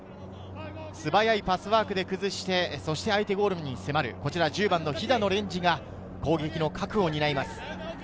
素早いパスワークで崩して相手ゴールに迫る平野が攻撃の核を担います。